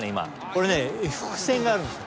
これね伏線があるんです。